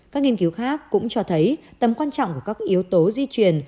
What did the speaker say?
các nghiên cứu khác cũng cho thấy tầm quan trọng của các yếu tố di truyền